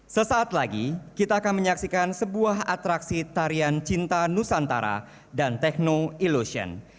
sesaat lagi kita akan menyaksikan sebuah atraksi tarian cinta nusantara dan tekno illusion